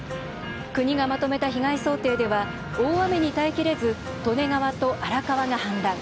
国がまとめた被害想定では大雨に耐えきれず利根川と荒川が氾濫。